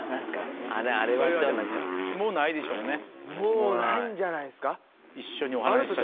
もうないんじゃないですか。